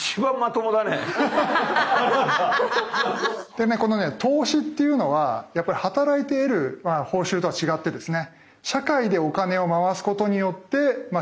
でねこの投資っていうのはやっぱり働いて得る報酬とは違ってですね